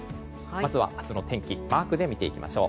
まずは明日の天気をマークで見ていきましょう。